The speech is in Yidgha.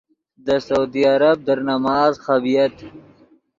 دے سعودی عرب در نماز خبییت۔